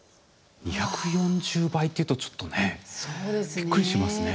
２４０倍っていうとちょっとねびっくりしますね。